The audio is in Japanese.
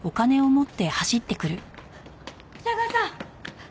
二川さん！